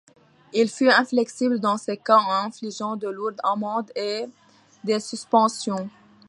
Il fut inflexible dans ces cas en infligeant de lourdes amendes et des suspensions.